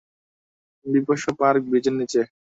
Bishop Park, ব্রিজের নিচে।